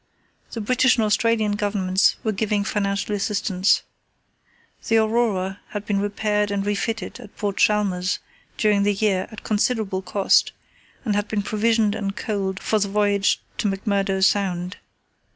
The British and Australian Governments were giving financial assistance. The Aurora had been repaired and refitted at Port Chalmers during the year at considerable cost, and had been provisioned and coaled for the voyage to McMurdo Sound.